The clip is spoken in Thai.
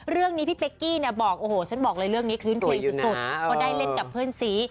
เรื่องนี้พี่เป๊กกี้นะบอกเพื่อนซี